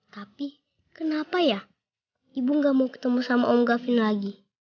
tapi kenapa ya ibu gak mau ketemu sama om gavin lagi